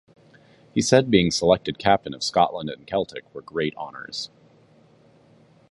He said being selected captain of Scotland and Celtic were great honours.